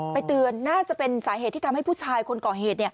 เตือนน่าจะเป็นสาเหตุที่ทำให้ผู้ชายคนก่อเหตุ